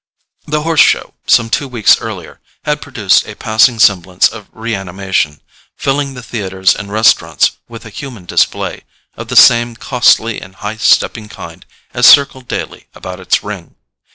The Horse Show, some two weeks earlier, had produced a passing semblance of reanimation, filling the theatres and restaurants with a human display of the same costly and high stepping kind as circled daily about its ring.